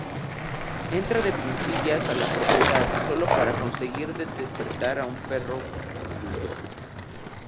Entra de puntillas a la propiedad, sólo para conseguir despertar a un perro bulldog.